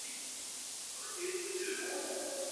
د بریا ډالۍ یوازي مستحقو ته نه سي ورکول کېدلای.